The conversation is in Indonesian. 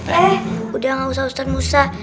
eh udah gak usah ustadz musa